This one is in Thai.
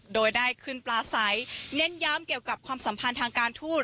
โดยได้ขึ้นปลาใสเน้นย้ำเกี่ยวกับความสัมพันธ์ทางการทูต